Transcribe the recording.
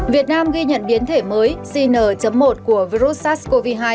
việt nam ghi nhận biến thể mới cn một của virus sars cov hai